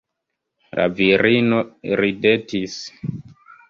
La virino ridetis.